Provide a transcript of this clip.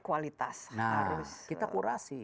kualitas nah kita kurasi